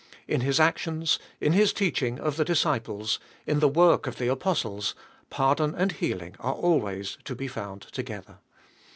In His actions, in His teaching of the disciples, in the work of the Apostles, pardon and heal ing are always to be found together.